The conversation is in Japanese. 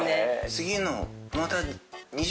次の。